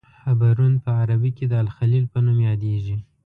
حبرون په عربي کې د الخلیل په نوم یادیږي.